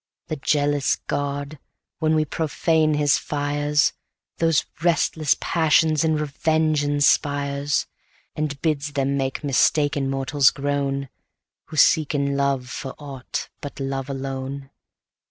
The jealous god, when we profane his fires, Those restless passions in revenge inspires, And bids them make mistaken mortals groan, Who seek in love for aught but love alone.